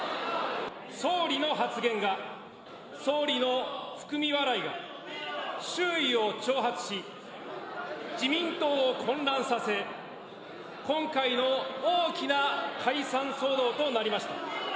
総理の発言が、総理の含み笑いが、周囲を挑発し、自民党を混乱させ、今回の大きな解散騒動となりました。